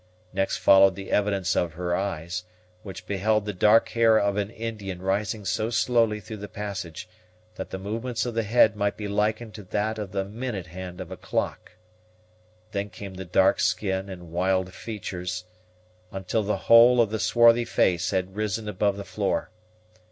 Next followed the evidence of her eyes, which beheld the dark hair of an Indian rising so slowly through the passage that the movements of the head might be likened to that of the minute hand of a clock; then came the dark skin and wild features, until the whole of the swarthy face had risen above the floor.